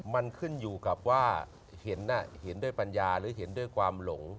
มันขึ้นอยู่กับว่าเห็นด้วยปัญญาหรือเห็นด้วยความหลง